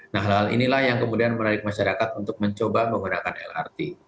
nah hal hal inilah yang kemudian menarik masyarakat untuk mencoba menggunakan lrt